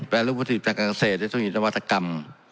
แปลลูกประสิทธิ์ประกันเกษตรในช่วงอินวัตกรรม